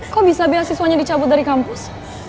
kok bisa beasiswanya dicabut dari kampus